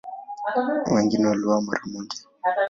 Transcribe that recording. Wengine waliuawa mara moja.